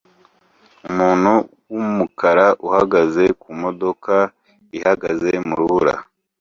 Umuntu wumukara uhagaze kumodoka ihagaze murubura